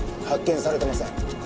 発見されてません。